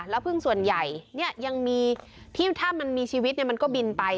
แล้วพึ่งส่วนใหญ่ยังมีที่ถ้ามันมีชีวิตมันก็บินไป